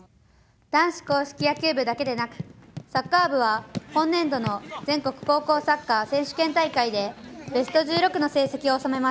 男子硬式野球部だけでなくサッカー部は、今年度の全国高校サッカー選手権大会でベスト１６の成績を収めました。